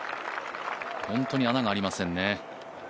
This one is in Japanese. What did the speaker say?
本当に穴がありませんね。